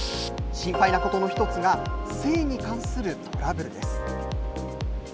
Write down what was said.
心配なことの一つが性に関するトラブルです。